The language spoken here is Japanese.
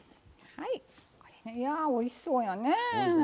いやおいしそうやねえ。